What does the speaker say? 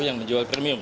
yang menjual premium